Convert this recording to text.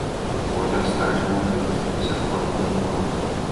Возера старычнага тыпу, серпападобнай формы.